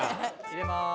入れます。